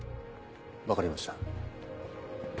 分かりました。